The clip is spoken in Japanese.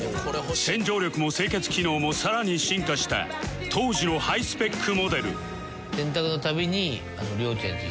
洗浄力も清潔機能もさらに進化した当時のハイスペックモデル